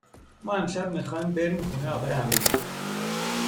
ما امشب میخوایم بریم خونه آقای امیری